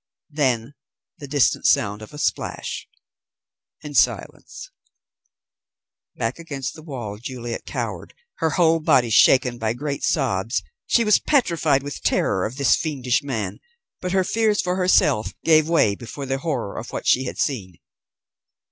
Then the distant sound of a splash; and silence. Back against the wall, Juliet cowered, her whole body shaken by great sobs. She was petrified with terror of this fiendish man, but her fears for herself gave way before the horror of what she had seen.